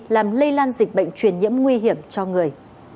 làm lây lan dịch bệnh truyền nhiễm nguy hiểm cho người